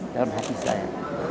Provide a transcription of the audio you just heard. di dalam hati saya